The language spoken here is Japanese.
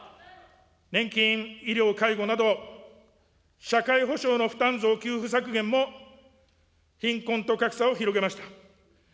年金、医療、介護など、社会保障の負担増・給付削減も貧困と格差を広げました。